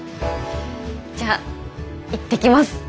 じゃあ行ってきます。